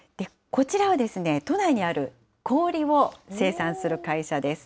こちらは都内にある氷を生産する会社です。